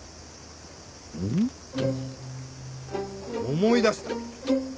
思い出した。